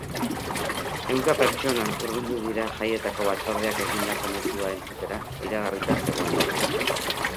Ehunka pertsona hurbildu dira jaietako batzordeak egindako mezua entzutera, iragarrita zegoen orduan.